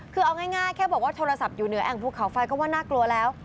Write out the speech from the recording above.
คือเอาง่ายแค่บอกว่าโทรศัพท์อยู่เหนือแอ่งภูเขาไฟก็ว่าน่ากลัวแล้ว